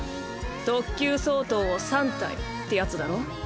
特級相当を３体ってやつだろ？